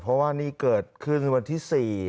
เพราะว่านี่เกิดขึ้นวันที่๔